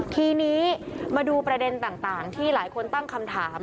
ทีนี้มาดูประเด็นต่างที่หลายคนตั้งคำถาม